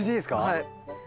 はい。